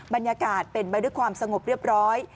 บรรยากาศเป็นไปด้วยความสงบเรียบร้อย